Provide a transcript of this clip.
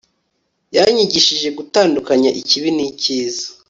yanyigishije gutandukanya icyiza n'ikibi